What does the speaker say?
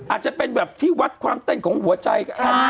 อาจจะเป็นแบบที่วัดความเต้นของหัวใจก็ทำ